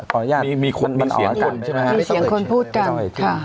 อนุญาตมีคนมีเสียงกันใช่ไหมฮะมีเสียงคนพูดกันใช่ค่ะ